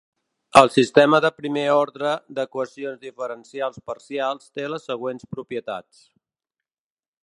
El sistema de primer ordre d"equacions diferencials parcials té les següents propietats.